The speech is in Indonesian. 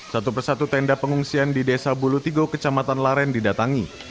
satu persatu tenda pengungsian di desa bulutigo kecamatan laren didatangi